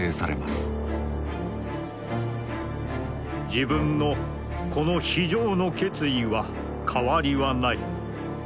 「自分の此の非常の決意は変りはない。